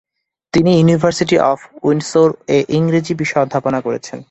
তিনি university of উইন্ডসোর-এ ইংরেজি বিষয়ে অধ্যাপনা করেছেন।